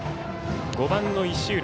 ５番の石浦。